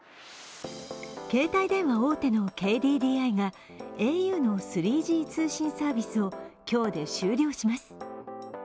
携帯電話大手のＫＤＤＩがａｕの３Ｇ通信サービスを今日で終了します。